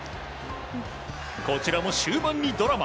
こちらも終盤にドラマ。